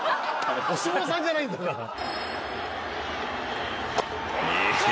お相撲さんじゃないんだから。